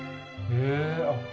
へえ。